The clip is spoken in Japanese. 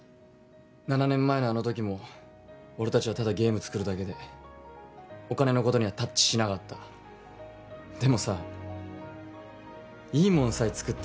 ７年前のあの時も俺達はただゲーム作るだけでお金のことにはタッチしなかったでもさいいもんさえ作っ